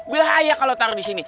bahaya kalau taruh disini